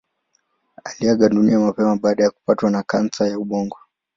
Aliaga dunia mapema baada ya kupatwa na kansa ya ubongo.